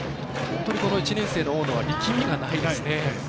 本当に１年生の大野は力みがないですね。